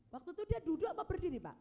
waktu itu dia duduk pak berdiri pak